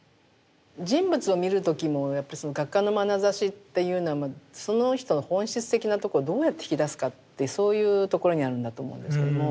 人物を見る時もやっぱりその画家のまなざしっていうのはその人の本質的なとこをどうやって引き出すかってそういうところにあるんだと思うんですけれども。